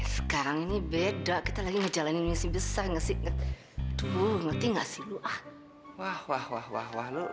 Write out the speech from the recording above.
sekarang ini beda kita lagi ngejalanin misi besar ngasih tuh ngerti ngasih lu ah wah wah wah wah